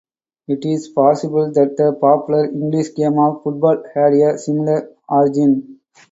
It is possible that the popular English game of football had a similar origin.